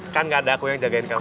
kan gak ada aku yang jagain kamu